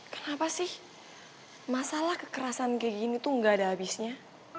kenapa sih masalah kekerasan kayak gini tuh gak ada habisnya